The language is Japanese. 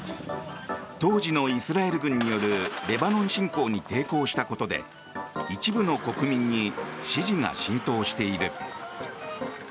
当時のイスラエル軍によるレバノン侵攻に抵抗したことで一部の国民に支持が浸透している。